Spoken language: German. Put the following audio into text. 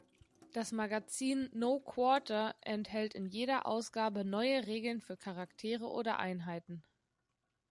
Das Magazine "No Quarter" enthält in jeder Ausgabe neue Regeln für Charaktere oder Einheiten.